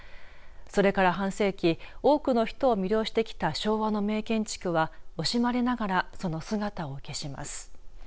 それから半世紀多くの人を魅了してきた昭和の名建築は惜しまれながらその姿を消します。